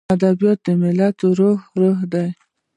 ادبیات د ملت د روح روح دی.